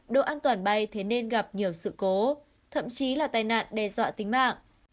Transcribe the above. độ an toàn bay thế nên gặp nhiều sự cố thậm chí là tai nạn đe dọa tính mạng